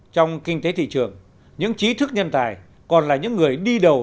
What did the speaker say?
trong kinh tế thị trường những trí thức nhân tài còn là những người đi đầu